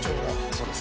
そうです。